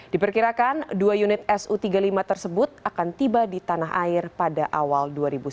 diperkirakan dua unit su tiga puluh lima tersebut akan tiba di tanah air pada awal dua ribu sembilan belas